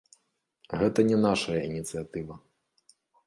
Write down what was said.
Гэта не нашая ініцыятыва.